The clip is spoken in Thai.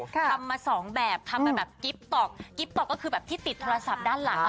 ทำมาสองแบบทำมาแบบกิ๊บต๊อกกิ๊บต๊อกก็คือแบบที่ติดโทรศัพท์ด้านหลัง